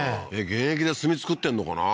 現役で炭作ってんのかな？